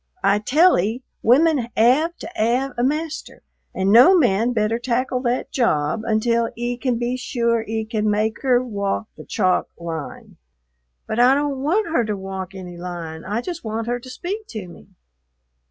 I tell 'e, women 'ave to 'ave a master, and no man better tackle that job until 'e can be sure 'e can make 'er walk the chalk line." "But I don't want her to walk any line; I just want her to speak to me."